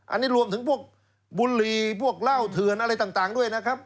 อันนี้รวมถึงพวกบุหรี่พวกเหล้าเถื่อนอะไรต่างด้วยนะครับ